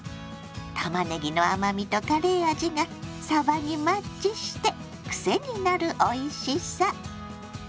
たまねぎの甘みとカレー味がさばにマッチしてクセになるおいしさ！